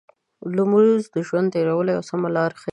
لمونځ د ژوند تېرولو یو سمه لار ښيي.